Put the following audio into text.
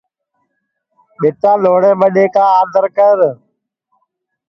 ٻیٹا لھوڑے ٻڈؔے آدر کر